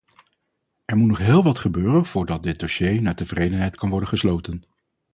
Er moet nog heel wat gebeuren voordat dit dossier naar tevredenheid kan worden gesloten.